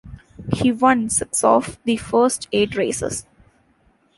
He won six of the first eight races.